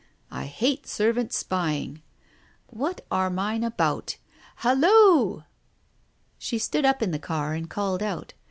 I hate servants spying. What are mine about. ... Hollo!" She stood up in the car and called out.